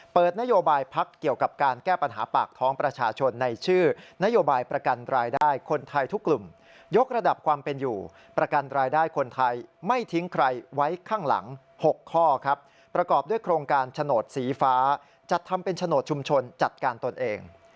ประกอบด้วยโครงการฉนดสีฟ้าจัดทำเป็นฉนดชุมชนจัดการตนเอง